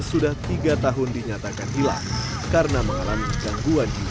sudah tiga tahun dinyatakan hilang karena mengalami gangguan jiwa